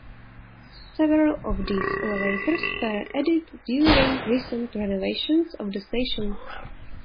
Several of these elevators were added during recent renovations of the station.